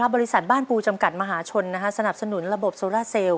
บริษัทบ้านปูจำกัดมหาชนสนับสนุนระบบโซล่าเซลล